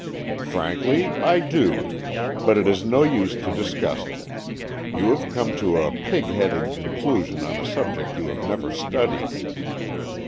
"Frankly, I do. But it is no use to dis cuss it. You have come to a pig headed conclusion on a subject you have never studied."